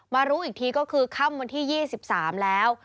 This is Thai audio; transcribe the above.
รู้อีกทีก็คือค่ำวันที่๒๓แล้ว